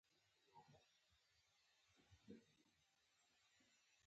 چې مرداب ته توېېدل، له پاسه پرې یو پل پروت و.